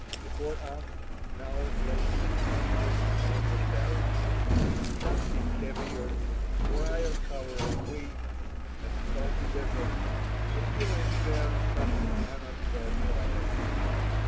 Before us now lay six hundred miles of barren hills, swampy kevirs, brier covered wastes, and salty deserts, with here and there some kanot fed oases.